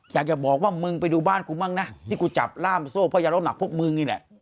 อยากจะบอกว่ามึงไปดูบ้านกูมั่งนะที่กูจับล่ามโซ่พระยาล้มหนักพวกมึงนี่แหละ